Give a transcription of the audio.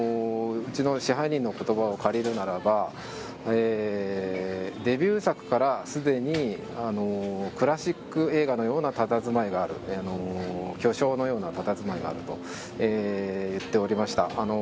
うちの支配人の言葉を借りるならばデビュー作から、すでにクラシック映画のようなたたずまいのある巨匠のようなたたずまいがあると言っておりました。